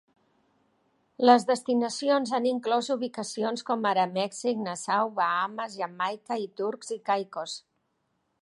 Les destinacions han inclòs ubicacions com ara Mèxic, Nassau, Bahames, Jamaica i Turks i Caicos.